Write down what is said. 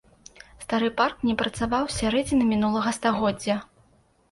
Стары парк не працаваў з сярэдзіны мінулага стагоддзя.